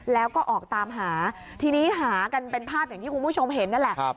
แล้วก็ออกตามหาทีนี้หากันเป็นภาพอย่างที่คุณผู้ชมเห็นนั่นแหละ